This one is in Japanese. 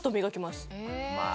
まあ。